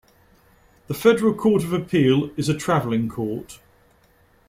The Federal Court of Appeal is a traveling Court.